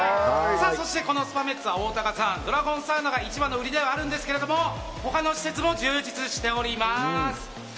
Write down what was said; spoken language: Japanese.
そしてこのスパメッツァおおたかさんはドラゴンサウナが一番の売りではあるんですが他の施設も充実しております。